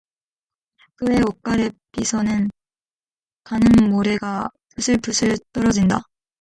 그의 옷갈피서는 가는 모래가 부슬부슬 떨어진다.